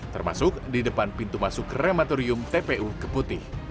termasuk di depan pintu masuk krematorium tpu keputih